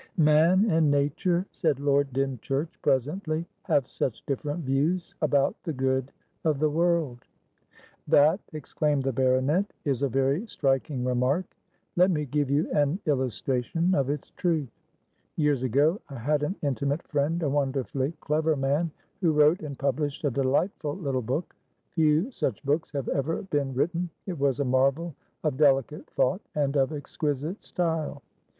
"Man and nature," said Lord Dymchurch presently, "have such different views about the good of the world." "That," exclaimed the baronet, "is a very striking remark. Let me give you an illustration of its truth. Years ago I had an intimate friend, a wonderfully clever man, who wrote and published a delightful little book. Few such books have ever been written; it was a marvel of delicate thought and of exquisite style.